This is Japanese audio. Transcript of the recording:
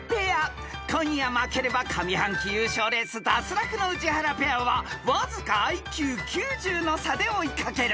［今夜負ければ上半期優勝レース脱落の宇治原ペアはわずかＩＱ９０の差で追い掛ける］